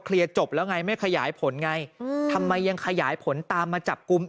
เคลียร์จบแล้วไงไม่ขยายผลไงทำไมยังขยายผลตามมาจับกุม